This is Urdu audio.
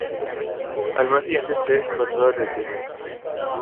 علما اسی حیثیت سے فتویٰ دیتے ہیں